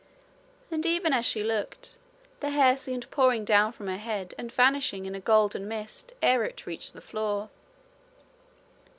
And ever as she looked, the hair seemed pouring down from her head and vanishing in a golden mist ere it reached the floor.